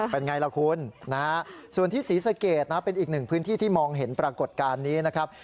เป็นไงล่ะคุณนะฮะส่วนที่ศรีสะเกดนะเป็นอีกหนึ่งพื้นที่ที่มองเห็นปรากฏการณ์นี้นะครับ